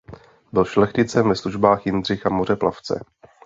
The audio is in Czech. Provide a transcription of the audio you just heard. Byl šlechticem ve službách Jindřicha Mořeplavce.